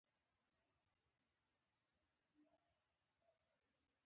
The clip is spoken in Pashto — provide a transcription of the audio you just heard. جګړه د تاریخ د غمونو یوه برخه ده